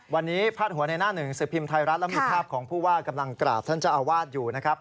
วันนี้พาดหัวในหน้าหนึ่งสิบพิมพ์ไทยรัฐแล้วมีภาพของผู้ว่ากำลังกราบท่านเจ้าอาวาสอยู่นะครับ